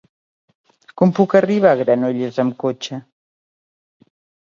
Com puc arribar a Granollers amb cotxe?